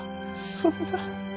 そんな。